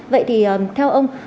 vậy thì theo ông